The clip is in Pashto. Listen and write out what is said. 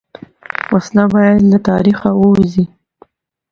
وسله باید له تاریخ ووځي